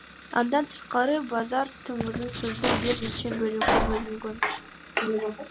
Андан сырткары базар тымызын түрдө бир нече бөлүккө бөлүнгөн.